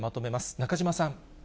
中島さん。